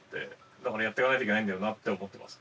だからやっていかないといけないんだよなって思ってます。